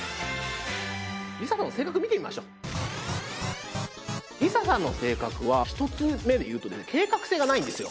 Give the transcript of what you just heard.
ＬＩＳＡさんの性格見てみましょうＬＩＳＡさんの性格は１つ目で言うとね計画性がないんですよ